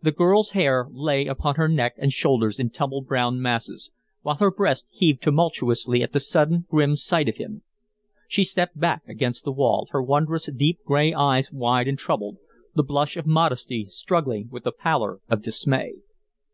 The girl's hair lay upon her neck and shoulders in tumbled brown masses, while her breast heaved tumultuously at the sudden, grim sight of him. She stepped back against the wall, her wondrous, deep, gray eyes wide and troubled, the blush of modesty struggling with the pallor of dismay.